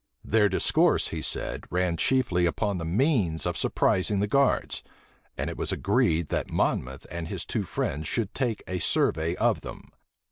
Their discourse, he said, ran chiefly upon the means of surprising the guards; and it was agreed, that Monmouth and his two friends should take a survey of them.